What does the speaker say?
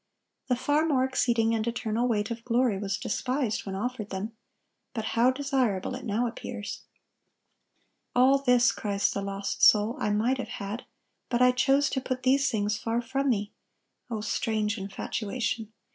The far more exceeding and eternal weight of glory was despised when offered them; but how desirable it now appears. "All this," cries the lost soul, "I might have had; but I chose to put these things far from me. Oh, strange infatuation!